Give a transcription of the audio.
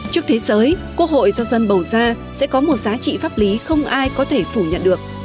trước thế giới quốc hội do dân bầu ra sẽ có một giá trị pháp lý không ai có thể phủ nhận được